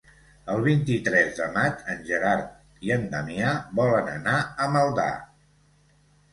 El vint-i-tres de maig en Gerard i en Damià volen anar a Maldà.